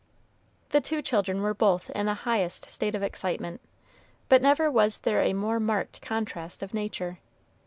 The two children were both in the highest state of excitement, but never was there a more marked contrast of nature.